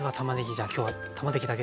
じゃあ今日はたまねぎだけで。